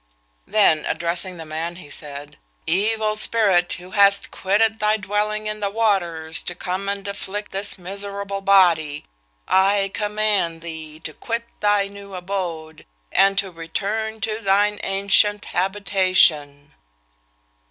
Then addressing the man, he said, 'Evil spirit, who hast quitted thy dwelling in the waters to come and afflict this miserable body, I command thee to quit thy new abode, and to return to thine ancient habitation!'